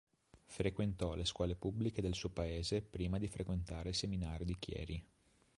Frequentò le scuole pubbliche del suo paese prima di frequentare il seminario di Chieri.